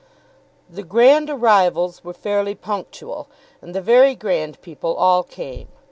The grand arrivals were fairly punctual, and the very grand people all came.